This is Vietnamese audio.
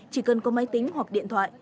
chỉ cần có máy tính hoặc điện thoại